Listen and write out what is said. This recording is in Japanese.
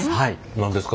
何ですか？